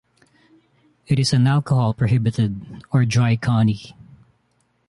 It is an alcohol-prohibited or dry county.